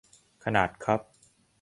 ขนาดคัพ